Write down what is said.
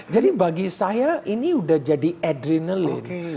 jadi bagi saya ini udah jadi adrenaline